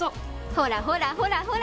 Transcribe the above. ほらほらほらほら！